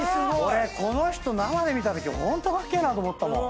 俺この人生で見たときホントかっけえなと思ったもん。